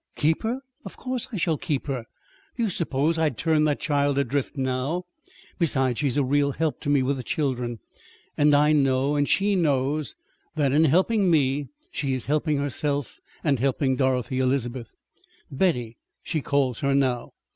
"Keep her? Of course I shall keep her! Do you suppose I'd turn that child adrift now? Besides, she's a real help to me with the children. And I know and she knows that in helping me she is helping herself, and helping Dorothy Elizabeth 'Betty' she calls her now.